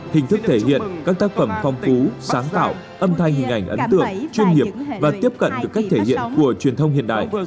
hình thức thể hiện các tác phẩm phong phú sáng tạo âm thanh hình ảnh ấn tượng chuyên nghiệp và tiếp cận được cách thể hiện của truyền thông hiện đại